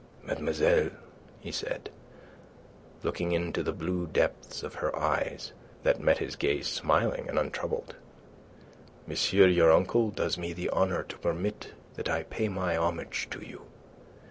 "Mademoiselle," he said, looking into the blue depths of her eyes, that met his gaze smiling and untroubled, "monsieur your uncle does me the honour to permit that I pay my homage to you.